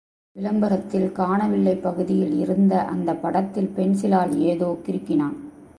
விளம்பரத்தில் காணவில்லை பகுதியில் இருந்த அந்தப் படத்தில் பென்சிலால் ஏதோ கிறுக்கினான்.